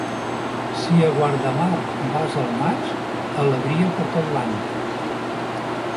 Si a Guardamar vas al maig, alegria per tot l'any.